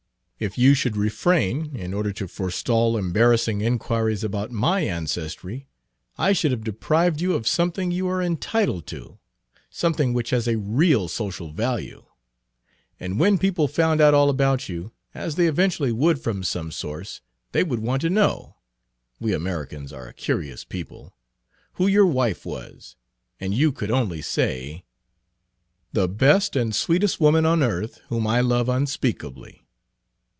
If you should refrain, in order to forestall embarrassing inquiries about my ancestry, I should have deprived you of something you are entitled to, something which has a real social value. And when people found out all about you, as they eventually would from some source, they would want to know we Americans are a curious people who your wife was, and you could only say" "The best and sweetest woman on earth, whom I love unspeakably."